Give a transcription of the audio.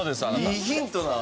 いいヒントなん？